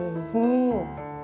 お！